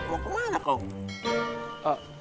eh sebenernya mau ke mana kau